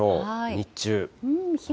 日中。